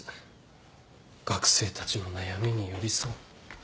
学生たちの悩みに寄り添う